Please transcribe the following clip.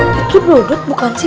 kekip loh dodot bukan sih